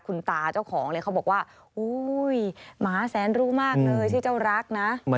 คุณตาเจ้าของเลยเขาบอกว่าโอ้ยหมาแสนรู้มากเลยชื่อเจ้ารักนะ